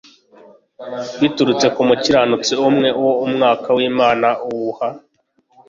Biturutse ku mukiranutsi umwe uwo umwuka w'Imana uhuha